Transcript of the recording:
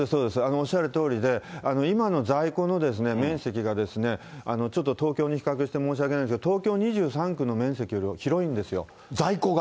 おっしゃるとおりで、今の在庫の面積が、ちょっと東京に比較して申し訳ないんですが、東京２３区在庫が？